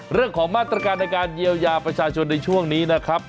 เรื่องของมาตรการในการเยียวยาประชาชนในช่วงนี้นะครับ